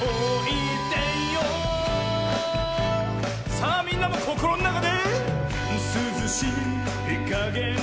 さあみんなもこころのなかで。